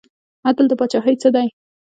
عدل د پاچاهۍ څه دی؟